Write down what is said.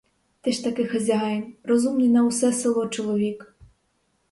Ти ж таки хазяїн, розумний на усе село чоловік.